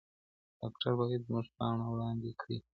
ډاکټر باید زموږ پاڼه وړاندي کړي.